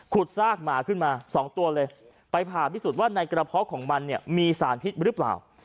ซากหมาขึ้นมาสองตัวเลยไปผ่าพิสูจน์ว่าในกระเพาะของมันเนี่ยมีสารพิษหรือเปล่า